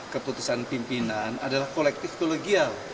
keputusan pimpinan adalah kolektif kolegial